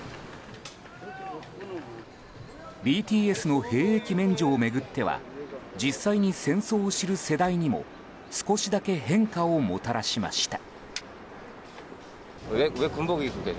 ＢＴＳの兵役免除を巡っては実際に戦争を知る世代にも少しだけ変化をもたらしました。